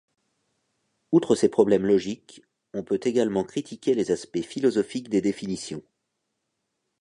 Outre ces problèmes logiques, on peut également critiquer les aspects philosophiques des définitions.